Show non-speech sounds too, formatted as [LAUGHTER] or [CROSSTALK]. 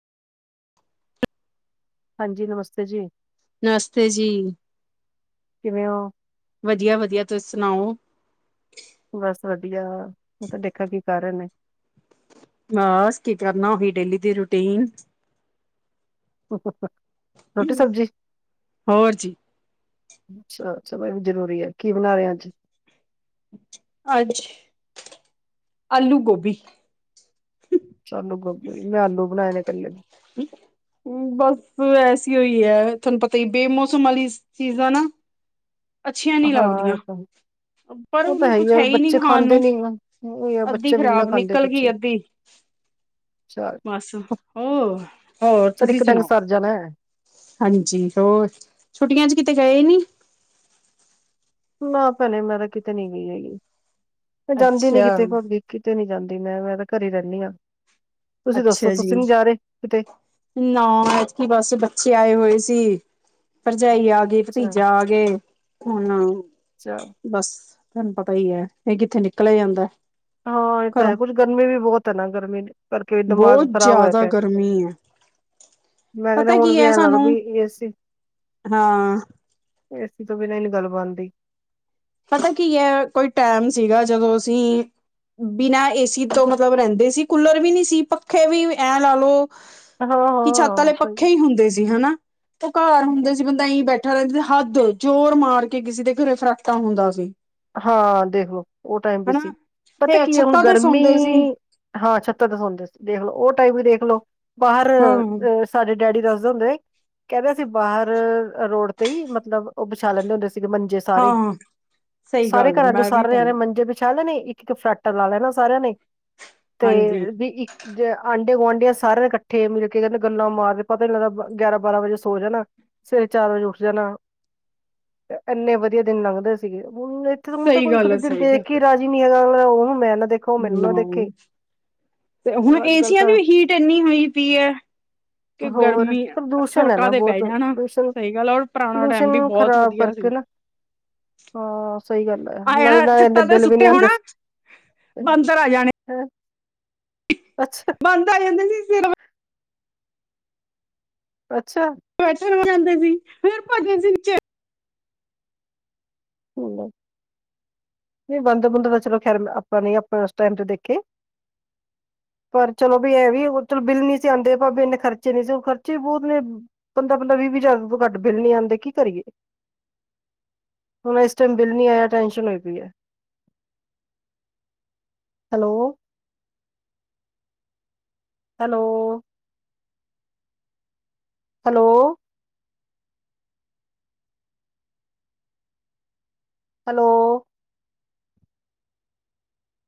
ਹਾਂਜੀ ਨਮਸਤੇ ਜੀ। ਨਮਸਤੇ ਜੀ। ਕਿਵੇਂ ਔ? ਵਧੀਆ-ਵਧੀਆ ਤੁਸੀ ਸੁਣਾਓ ਬਸ ਵਧੀਆ ਮੈਂ ਕਹਯਾ ਦੇਖਾ ਕੀ ਕਰ ਰਹੇ ਨੇ? ਨਾ ਅਸੀ ਕੀ ਕਰਨਾ ਉਹੀ ਡੇਲੀ ਦੀ ਰੂਟੀਨ। ਰੋਟੀ ਸਬਜ਼ੀ? ਹੋਰ ਜੀ ਅੱਛਾ-ਅੱਛਾ ਐਹ ਵੀ ਜ਼ਰੂਰੀ ਹੈ ਕੀ ਬਣਾ ਰਹੇ ਅੱਜ? [UNINTELLIGIBLE] ਆਲੂ ਗੋਭੀ। ਆਲੂ ਗੋਭੀ ਮੈਂ ਆਲੂ ਬਣਾਏ ਨੇ ਇਕੱਲੇ। [INAUDIBLE] ਹੁੰ ਬਸ ਐਸ ਉ ਹੀ ਹੈ ਤੁਹਾਨੂੰ ਪਤਾ ਹੀ ਬੇਮੋਸਮ ਵਾਲੀ ਚੀਜਾਂ ਨਾ ਅੱਛੀਆਂ ਨੀ ਹਾਂ ਲੱਗਦੀਆਂ। ਇਹ ਤਾਂ ਪਰ ਉਹ ਤਾਂ ਉਹਨੂੰ ਕੁਛ ਆ ਹੈ ਹੀ ਨੀ ਬੱਚੇ ਖਾਣ ਖਾਂਦੇ ਨੂੰ ਨੀ ਆ ਉਹੀ ਆ, ਅੱਧੀ ਬੱਚੇ ਵੀ ਨੀ ਨਾ ਖ਼ਰਾਬ ਖਾਂਦੇ ਨਿਕਲ ਕੁਛ ਗਈ ਅੱਧੀ ਚੱਲ ਬਸ ਹੋ ਹੋਰ ਚੱਲ ਤੁਸੀਂ ਇੱਕ ਡੰਗ ਸੁਣਾਓ ਸਰ ਜਾਣਾ। ਹਾਂਜੀ ਹੋਰ ਛੁੱਟੀਆਂ ਚ ਕਿਤੇ ਗਏ ਨੀ? ਨਾ ਭੈਣੇ ਮੈਂ ਤਾਂ ਕਿਤੇ ਨੀ ਗਈ ਹੈਗੀ ਮੈਂ ਜਾਂਦੀ ਨੀ ਅੱਛਾ ਕਿਤੇ ਪਾਬੀ ਕਿਤੇ ਨੀ ਜਾਂਦੀ ਮੈਂ-ਮੈਂ ਤਾਂ ਘਰੇ ਰਹਿੰਨੀ ਆ। ਅੱਛਾ ਜੀ। ਕਿਤੇ ਨਾ ਐਤਕੀ ਬਸ ਬੱਚੇ ਆਏ ਹੋਏ ਸੀ ਭਰਜਾਈ ਆ ਗਈ, ਅੱਛਾ ਭਤੀਜਾ ਆਗੇ ਹੁਣ, ਅੱਛਾ ਬਸ ਤੁਹਾਨੂੰ ਪਤਾ ਹੀ ਹੈ ਫੇਰ ਕਿੱਥੇ ਨਿਕਲਿਆ ਜਾਂਦਾ। ਹਾਂ ਇਹ ਤਾਂ ਹੈ ਘਰੋਂ। ਕੁਛ ਗਰਮੀ ਵੀ ਬਹੁਤ ਹੈ ਨਾ ਗਰਮੀ ਕਰਕੇ ਈ ਬਹੁਤ ਦਿਮਾਗ ਖ਼ਰਾਬ ਹੋਆ ਜ਼ਿਆਦਾ ਪਿਆ ਹੈ ਗਰਮੀ ਹੈ, ਮੈਂ ਕਹਣੀ ਪਤਾ ਹੁਣ ਕੀ ਵੀ ਹੈ ਐਂ ਲੱਗਦਾ ਸਾਨੂੰ ਜਿਵੇਂ ਏ ਸੀ ਹਾਂ ਏਸੀ ਤੋਂ ਬਿਨਾਂ ਨੀ ਗੱਲ ਬਣਦੀ। ਪਤਾ ਕੀ ਹੈ ਕੋਈ ਟਾਈਮ ਸੀਗਾ ਜਦੋਂ ਅਸੀਂ, ਬਿਨਾਂ ਏਸੀ ਤੋਂ ਮਤਲਬ ਰਹਿੰਦੇ ਸੀ ਕੂਲਰ ਵੀ ਨੀ ਸੀ ਪੱਖੇ ਵੀ ਐਂ ਲਾ ਲਓ ਹਾਂ ਕਿ ਛੱਤ ਹਾਂ ਆਲੇ ਪੱਖੇ ਸਹੀ ਹੀ ਹੁੰਦੇ ਸੀ ਹੈਨਾ। ਤੇ ਘਾਰ ਹੁੰਦੇ ਸੀ ਬੰਦਾ ਇਈ ਬੈਠਾ ਰਹਿੰਦਾ ਸੀ ਹੱਦ ਜੋੋਰ ਮਾਰ ਕੇ ਕਿਸੇ ਦੇ ਘਰੇ ਫਰਾ ਟਾ ਹੁੰਦਾ ਸੀ। ਹਾਂ ਦੇਖ ਲੋ ਉਹ ਟਾਈਮ ਵੀ ਹਨਾ, ਸੀ ਤੇ ਪਤਾ ਕੀ ਹੈ ਹੁਣ ਛੱਤਾਂ ਤੇ ਗਰਮੀ ਸੌਂਦੇ ਸੀ, ਹਾਂ ਛੱਤਾਂ ਤੇ ਸੌਂਦੇ ਸੀ ਦੇਖਲੋ ਉਹ ਟਾਈਮ ਵੀ ਦੇਖਲੋ ਬਾਹਰ ਹਾਂ ਅ ਸਾਡੇ ਡੈਡੀ ਦਾੱਸਦੇ ਹੁੰਦੇ ਕੈਂਦੇ ਅਸੀ ਬਾਰ ਰੋਡ ਤੇ ਈ ਮਤਲਬ ਓ ਵਛਾ ਲੈਂਦੇ ਹੁੰਦੇ ਸੀਗੇ ਮੰਜੇ ਸਾਰੇ [UNINTELLIGIBLE] ਸਾਰੇ ਹੈ ਮੈਂ ਵੀ ਤਾਂ ਘਰਾਂ [UNINTELLIGIBLE] ਮੰਜੇ ਵਿੱਚ ਚਾਹ ਲੈਨੇ ਇੱਕ, ਇੱਕ ਫਰਾਟਾ ਲਾ ਲੈਨਾ ਸਾਰੇਆਂ ਨੇ, ਹਾਂਜੀ ਤੇ ਵੀ ਇੱਕ ਜੇ ਆਂਢੇ ਗੁਆਂਢੀਆਂ ਸਾਰੇਆਂ ਨੇ ਕੱਠੇ ਮਿਲਕੇ ਕੈਂਦੇ ਗੱਲਾਂ ਮਾਰਦੇ ਪਤਾ ਈ ਨੀ ਲੱਗਦਾ ਗਆਰਾਂ, ਬਾਰਾਂ ਵਜੇ ਸੋ ਜਾਨਾ ਸਵੇਰੇ ਚਾਰ ਵਜੇ ਉੱਠ ਜਾਨਾ, ਏਨੇ ਵਦੀਆ ਦਿਨ ਲੰਘਦੇ ਸੀਗੇ ਹੁਨ ਇਥੇ ਹੁਨ ਤਾਂ ਸਹੀ ਕੋਈ ਇੱਕ ਗੱਲ ਹੈ ਦੁਜੇ ਸਹੀ ਗੱਲ ਦੇਖ ਕੇ ਰਾਜੀ ਨੀ ਹੈਗਾ, ਓਨੂੰ ਮੈਂ ਨਾ ਦੇ [UNINTELLIGIBLE] ਤੇ ਹੁਣ ਅੱਜ ਕੱਲ ਏਸੀਆਂ ਦੀ ਤਾਂ ਵੀ ਹੀਟ ਏਨੀ ਹੋਈ ਪਈ ਐ। ਕਿ ਹੋਰ ਗਰਮੀ ਪ੍ਰਦੂਸ਼ਣ ਹੈ ਸੜਕਾਂ ਨਾ ਤੇ ਬੈ ਬਹੁਤ ਜਾਣਾ, ਪ੍ਰਦੂਸ਼ਣ ਸਈ ਗਾੱਲ ਓਰ ਪੁਰਾਣਾ ਟੈਮ ਵੀ ਪੋਲਿਊਸ਼ਨ ਬੋਤ ਵਦੀਆ [UNINTELLIGIBLE] ਹਾਂ ਸਈ ਗਾੱਲ ਆਏ ਨਾਲੇ, ਨਾ ਨਾਲੇ ਏਨੇ ਛੱਤਾਂ ਤੇ ਬੇਲ ਵੀ ਨੀ ਸੁੱਤੇ ਆਂਦੇ ਹੋਣਾ ਸੀ। ਬਾਂਦਰ ਆ ਜਾਣੇ ਹੈ, ਅੱਛਾ। ਬਾਂਦ ਜਾਂਦਾ ਸੀ [UNINTELLIGIBLE] ਅੱਛਾ। ਬੈਠਨ ਹੋ ਜਾਂਦੇ ਸੀ, ਫੇਰ ਭਜ [UNINTELLIGIBLE] [UNINTELLIGIBLE] ਨਈ ਬਾੰਦਰ ਬੁੰਦਰ ਤਾਂ ਚਲੋ ਖੈਰ ਆਪਾਂ ਨੇ ਆਪਾਂ ਓਸ ਟੈਮ ਤੇ ਦੇਖੇ ਪਰ ਚਲੋ ਵੀ ਐਂ ਵੀ ਚਲੋ ਬਿੱਲ ਨੀ ਸੀ ਆਂਦੇ ਪਾਬੇ ਵੀ ਏਨੇ ਖਰਚੇ ਨੀ ਸੀ ਖਰਚੇ ਵੀ ਬੋਤ ਨੇ ਪੰਦਰਾਂ ਪੰਦਰਾਂ, ਵੀ ਵੀ ਜ਼ਾਰ ਘੱਟ ਬਿੱਲ ਨੀ ਆਂਦੇ, ਕੀ ਕਰੀਏ ਹੁਨ ਏਸ ਟੈਮ ਬਿੱਲ ਨੀ ਆਏਆ, ਟੈਨਸ਼ਨ ਹੋਈ ਪਈ ਏ। ਹਲੋ। ਹੈਲੋ। ਹਲੋ। ਹਲੋ।